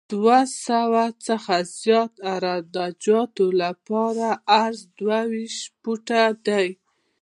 د دوه سوه څخه زیات عراده جاتو لپاره عرض دوه ویشت فوټه دی